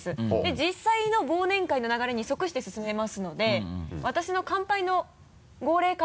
実際の忘年会の流れに則して進めますので私の乾杯の号令から。